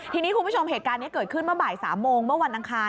ทีนี้คุณผู้ชมเหตุการณ์นี้เกิดขึ้นเมื่อบ่าย๓โมงเมื่อวันอังคาร